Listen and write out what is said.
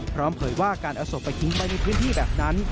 พร้อมเผยว่าการอสบไปทิ้งไปในพื้นที่แบบนั้น